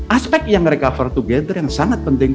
aspek yang recover together yang sangat penting